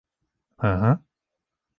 Hıhı.